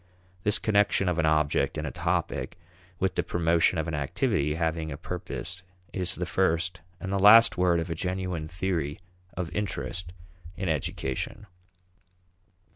This connection of an object and a topic with the promotion of an activity having a purpose is the first and the last word of a genuine theory of interest in education.